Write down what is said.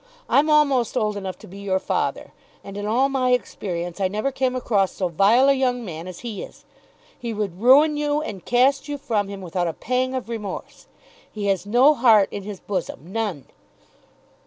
I'm almost old enough to be your father, and in all my experience I never came across so vile a young man as he is. He would ruin you and cast you from him without a pang of remorse. He has no heart in his bosom; none."